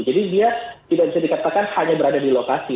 jadi dia tidak bisa dikatakan hanya berada di lokasi